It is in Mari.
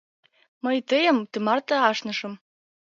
Мый тыйым тымарте ашнышым